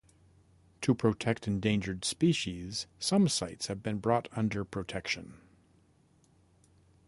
To protect endangered species some sites have been brought under protection.